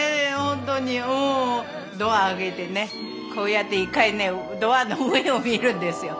ドア開けてこうやって一回ねドアの上を見るんですよ。